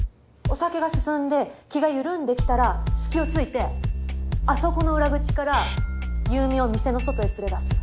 お酒が進んで気が緩んできたら隙を突いてあそこの裏口から優美を店の外へ連れ出す。